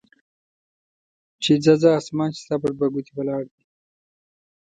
چې ځه ځه اسمان چې ستا پر دوه ګوتې ولاړ وي.